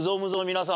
皆さん。